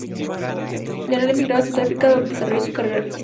Leonel emigró a Sudáfrica, donde desarrolla su carrera artística.